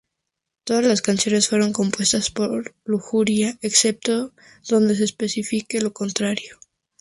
Todas las canciones fueron compuestas por Lujuria, excepto donde se especifique lo contrario.